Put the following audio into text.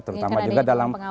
terutama juga dalam